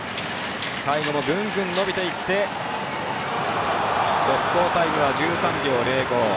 最後もグングン伸びていって速報タイムは１３秒０５。